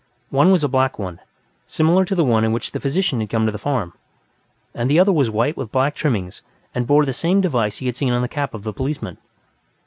One was a black one, similar to the one in which the physician had come to the farm, and the other was white with black trimmings and bore the same device he had seen on the cap of the policeman.